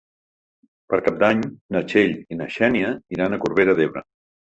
Per Cap d'Any na Txell i na Xènia iran a Corbera d'Ebre.